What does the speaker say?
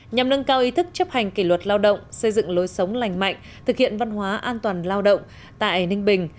nhằm nâng cao ý thức chấp hành kỷ luật lao động xây dựng lối sống lành mạnh thực hiện văn hóa an toàn lao động tại ninh bình